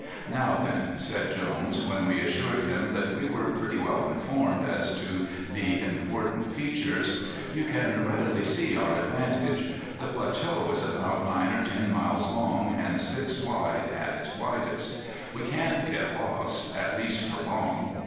"Now then," said Jones, when we assured him that we were pretty well informed as to the important features, "you can readily see our advantage. The plateau is about nine or ten miles long, and six wide at its widest. We can't get lost, at least for long.